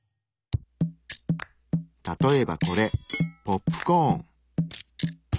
例えばこれポップコーン。